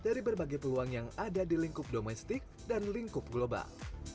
dari berbagai peluang yang ada di lingkup domestik dan lingkup global